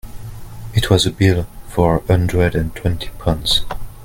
It was a bill for a hundred and twenty pounds.